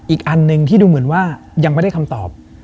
อีกอันหนึ่งที่ดูเหมือนว่ายังไม่ได้คำตอบ